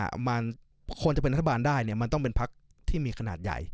ประมาณคนจะเป็นรัฐบาลได้เนี่ยมันต้องเป็นพักที่มีขนาดใหญ่